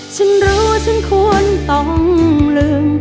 ฉันรู้ว่าฉันควรต้องลืม